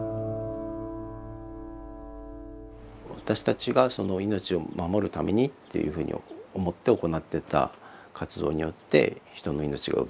私たちが命を守るためにっていうふうに思って行ってた活動によって人の命が奪われた。